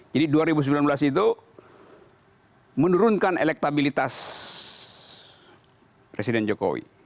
dua ribu sembilan belas itu menurunkan elektabilitas presiden jokowi